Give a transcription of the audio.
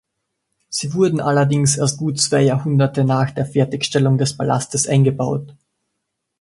Sie wurden allerdings erst gut zwei Jahrhunderte nach der Fertigstellung des Palastes eingebaut.